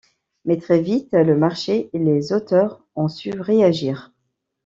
Mais, très vite le marché et les auteurs ont su réagir.